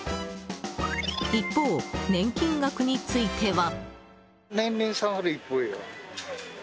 一方、年金額については。